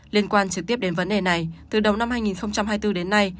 liên quan trực tiếp đến vấn đề này từ đầu năm hai nghìn hai mươi bốn đến nay